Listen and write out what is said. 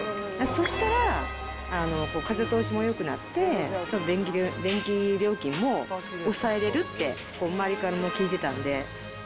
そしたら風通しもよくなって、ちょっと電気料金も抑えれるって、周りからも聞いてたんで。